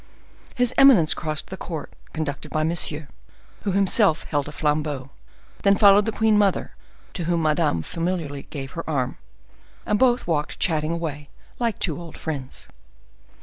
His eminence crossed the court, conducted by Monsieur, who himself held a flambeau; then followed the queen mother, to whom Madame familiarly gave her arm; and both walked chatting away, like two old friends.